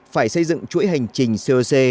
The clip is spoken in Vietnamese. phải xây dựng chuỗi hành trình coc